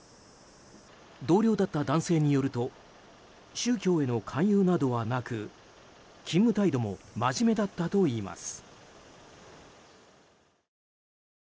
同僚だった男性によると宗教への勧誘などはなく勤務態度もまじめだったといいます。